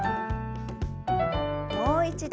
もう一度。